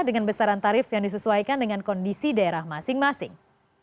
dengan besaran tarif yang disesuaikan dengan kondisi daerah masing masing